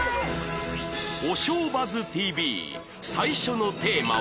『おしょうバズ ＴＶ』最初のテーマは